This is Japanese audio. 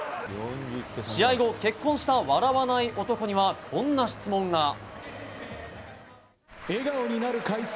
試合後、結婚した笑わない男にはこんな質問が。